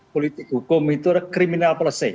politik hukum itu adalah criminal policy